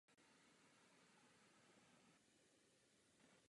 Plynovod je něco jako manželství.